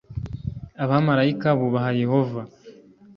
abamarayika bubaha yehova